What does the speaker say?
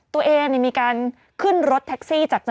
ตัวย้ายให้ใหญ่